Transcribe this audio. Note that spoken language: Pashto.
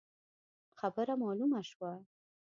خبره مالومه شوه.